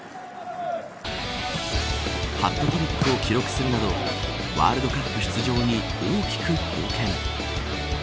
ハットトリックを記録するなどワールドカップ出場に大きく貢献。